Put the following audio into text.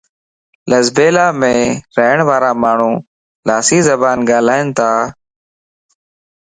لسبيلا مَ رھڻ وارا ماڻھو لاسي زبان ڳالھائينتا